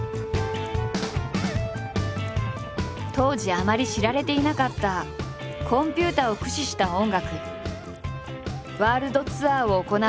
当時あまり知られていなかったコンピュータを駆使した音楽。